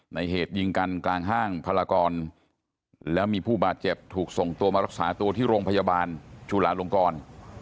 เหตุยิงกันกลางห้างพลากรแล้วมีผู้บาดเจ็บถูกส่งตัวมารักษาตัวที่โรงพยาบาลจุลาลงกร